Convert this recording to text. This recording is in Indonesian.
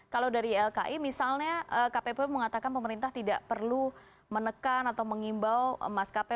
kalau dari ilki misalnya kppu mengatakan pemerintah tidak perlu menekan atau mengimbau maskapai